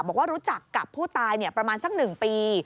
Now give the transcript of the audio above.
บอกว่ารู้จักกับผู้ตายประมาณสัก๑ปี